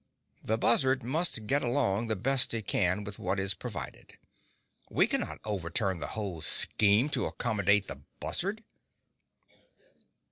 The buzzard must get along the best it can with what is provided. We cannot overturn the whole scheme to accommodate the buzzard.